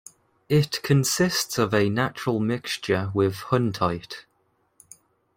It consists of a natural mixture with huntite.